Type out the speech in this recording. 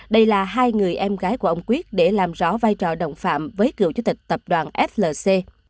đây là hai người em gái của ông quyết để làm rõ vai trò đồng phạm với cựu chủ tịch tập đoàn flc